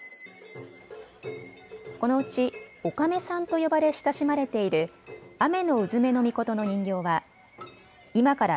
このうち、おかめさんと呼ばれ親しまれている天鈿女命の人形は今から